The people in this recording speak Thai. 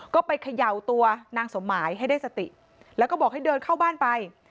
ก็ไปเขย่าตัวนางสมหมายให้ได้สติแล้วก็บอกให้เดินเข้าบ้านไป